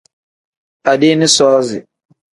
Adiini soozi.